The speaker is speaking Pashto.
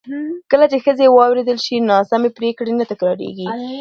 کله چې ښځې واورېدل شي، ناسمې پرېکړې نه تکرارېږي.